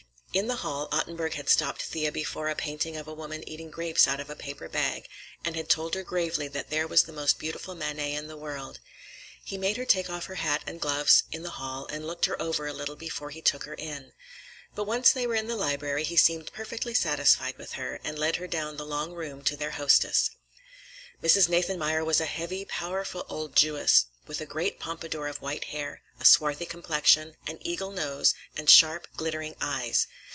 In the hall Ottenburg had stopped Thea before a painting of a woman eating grapes out of a paper bag, and had told her gravely that there was the most beautiful Manet in the world. He made her take off her hat and gloves in the hall, and looked her over a little before he took her in. But once they were in the library he seemed perfectly satisfied with her and led her down the long room to their hostess. Mrs. Nathanmeyer was a heavy, powerful old Jewess, with a great pompadour of white hair, a swarthy complexion, an eagle nose, and sharp, glittering eyes.